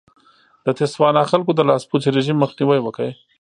د تسوانا خلکو د لاسپوڅي رژیم مخنیوی وکړ.